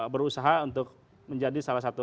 berusaha untuk menjadi salah satu